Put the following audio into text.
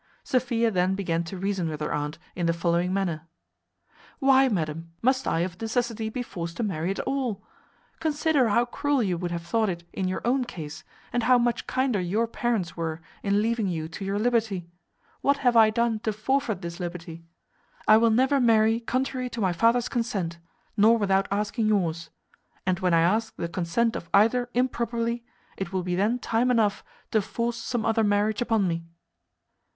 Sophia then began to reason with her aunt in the following manner: "Why, madam, must I of necessity be forced to marry at all? Consider how cruel you would have thought it in your own case, and how much kinder your parents were in leaving you to your liberty. What have I done to forfeit this liberty? I will never marry contrary to my father's consent, nor without asking yours And when I ask the consent of either improperly, it will be then time enough to force some other marriage upon me."